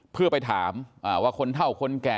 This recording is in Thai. เพื่อไปถามว่าคนเท่าคนแก่